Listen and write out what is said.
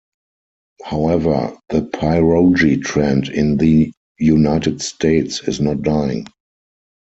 However, the pierogi trend in the United States is not dying.